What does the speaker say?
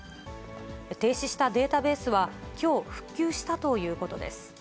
停止したデータベースは、きょう復旧したということです。